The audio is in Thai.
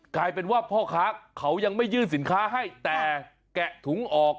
กลายเป็นว่าพ่อค้าเขายังไม่ยื่นสินค้าให้แต่แกะถุงออก